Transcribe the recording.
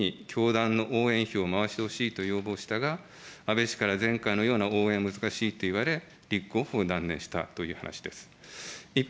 宮島氏は前回と同様に、教団の応援票を回してほしいと要望したが、安倍氏から前回のような応援は難しいと言われ、立候補を断念したという話です。